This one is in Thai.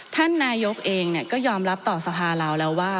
ท่านนายกเองก็ยอมรับต่อสภาเราแล้วว่า